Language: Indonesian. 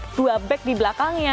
dua back di belakangnya